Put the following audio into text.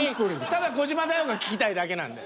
ただ「児嶋だよ！」が聞きたいだけなんで。